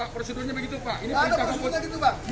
pak prosedurnya begitu pak